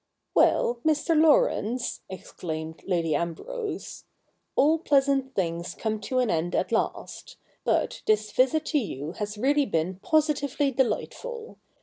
' Well, Mr. Laurence,' exclaimed Lady Ambrose, ' all pleasant things come to an end at last. But this visit to you has really been positively delightful.